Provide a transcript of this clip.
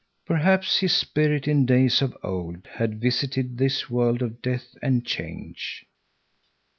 Perhaps his spirit in days of old had visited this world of death and change.